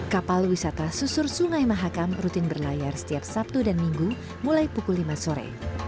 kapal wisata susur sungai mahakam rutin berlayar setiap sabtu dan minggu mulai pukul lima sore